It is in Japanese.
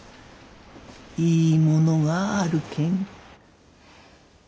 いいものがあるけん。